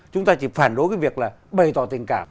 chúng ta chỉ phản đối việc bày tỏ tình cảm